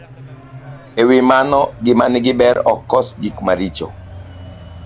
E wi mano, gima nigi ber ok kos gik maricho.